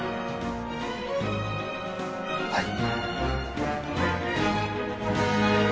はい。